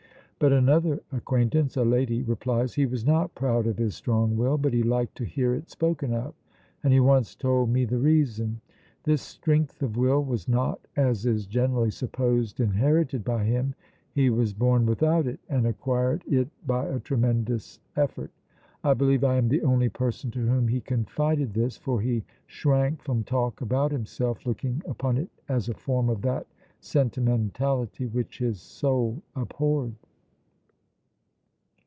But another acquaintance (a lady) replies: "He was not proud of his strong will, but he liked to hear it spoken of, and he once told me the reason. This strength of will was not, as is generally supposed, inherited by him; he was born without it, and acquired it by a tremendous effort. I believe I am the only person to whom he confided this, for he shrank from talk about himself, looking upon it as a form of that sentimentality which his soul abhorred."